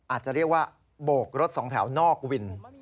อาจจะเรียกว่าโบกรถสองแถวนอกวิน